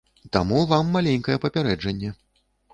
Таму вам маленькае папярэджанне.